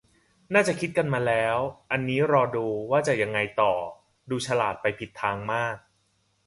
น่าจะคิดกันมาแล้ว อันนี้รอดูว่ายังไงต่อ ดูฉลาดไปผิดทางมาก